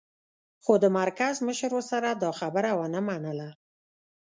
خو د مرکز مشر ورسره دا خبره و نه منله